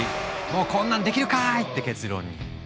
もうこんなんできるかい！って結論に。